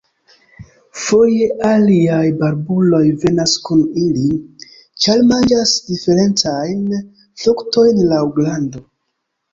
Foje aliaj barbuloj venas kun ili, ĉar manĝas diferencajn fruktojn laŭ grando.